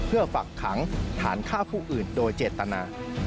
เพื่อฝักขังฐานฆ่าผู้อื่นโดยเจตนา